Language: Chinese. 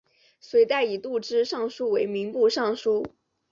隋代以度支尚书为民部尚书。